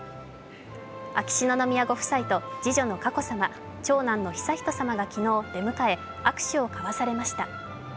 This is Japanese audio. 秋篠宮ご夫妻と次女の佳子さま長男の悠仁さまが昨日、出迎え、握手を交わされました。